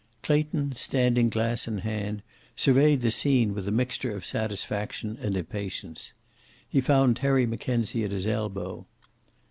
Clayton, standing glass in hand, surveyed the scene with a mixture of satisfaction and impatience. He found Terry Mackenzie at his elbow.